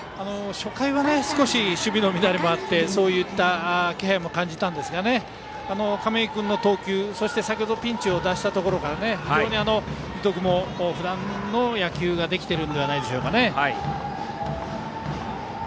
初回は、少し守備の乱れもあってそういった気配も感じたんですが亀井君の投球、そして先ほどピンチを脱したところから非常に樹徳もふだんの野球ができているんじゃないでしょうか。